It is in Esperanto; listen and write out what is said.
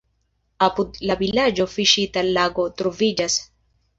Apud la vilaĝo fiŝista lago troviĝas.